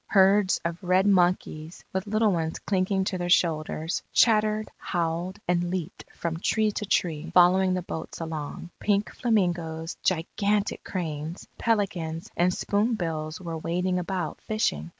Herds of red monkeys with little ones clinging to their shoulders, chattered, howled, and leaped from tree to tree, following the boats along. Pink flamingoes, gigantic cranes, pelicans, and spoonbills were wading about fishing.